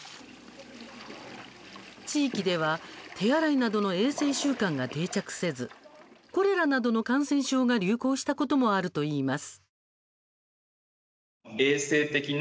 地域では手洗いなどの衛生習慣が定着せずコレラなどの感染症が流行したこともあるといいます。